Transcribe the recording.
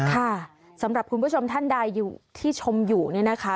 ค่ะสำหรับคุณผู้ชมท่านใดอยู่ที่ชมอยู่เนี่ยนะคะ